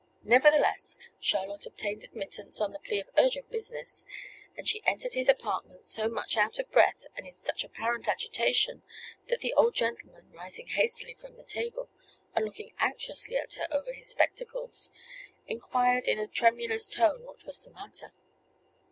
Nevertheless, Charlotte obtained admittance on the plea of urgent business; but she entered his apartment so much out of breath, and in such apparent agitation, that the old gentleman, rising hastily from table, and looking anxiously at her over his spectacles, inquired in a tremulous tone what was the matter.